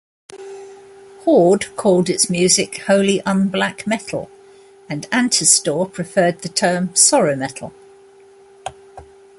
Horde called its music "holy unblack metal" and Antestor preferred the term "sorrow metal".